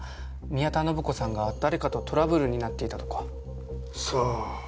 宮田信子さんが誰かとトラブルになっていたとかさあ